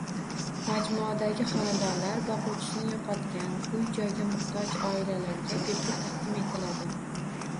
Majmuadagi xonadonlar boquvchisini yo‘qotgan, uy-joyga muhtoj oilalarga bepul taqdim etiladi